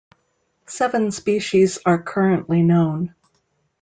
Seven species are currently known.